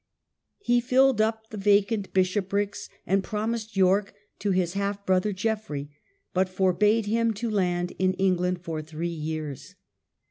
He filled up the vacant bishoprics, and promised York to his half brother Geoffrey, but forbade him to land in England for three years.